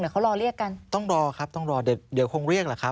เขารอเรียกกันต้องรอครับต้องรอเดี๋ยวเดี๋ยวคงเรียกแหละครับ